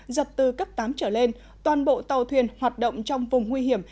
giật từ cấp tám trở lên toàn bộ tàu thuyền hoạt động trong vùng nguy hiểm